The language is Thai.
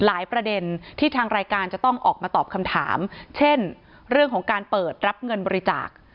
ประเด็นที่ทางรายการจะต้องออกมาตอบคำถามเช่นเรื่องของการเปิดรับเงินบริจาค